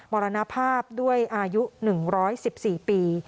มรณภาพด้วยอายุ๑๑๔ปี